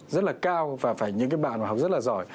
rất là cao và phải những bạn học rất là giỏi